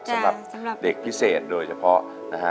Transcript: สำหรับเด็กพิเศษโดยเฉพาะนะฮะ